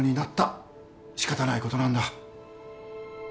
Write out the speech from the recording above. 仕方ないことなんだ。